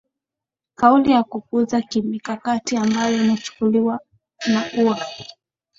kauli ya kupuuza ki mikakati ambayo inachukuliwa na au